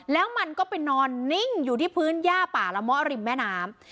แล้วมันก็ไปนอนนิ่งอยู่ที่พื้นย่าป่าละมะริมแม่น้ำ